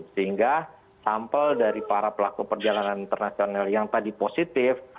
sehingga sampel dari para pelaku perjalanan internasional yang tadi positif